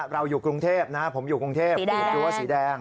อยู่กรุงเทพนะผมอยู่กรุงเทพดูว่าสีแดง